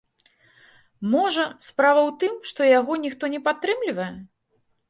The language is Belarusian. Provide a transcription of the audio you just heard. Можа, справа ў тым, што яго ніхто не падтрымлівае?